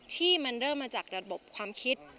ที่มันเริ่มมาจากระบบความคิด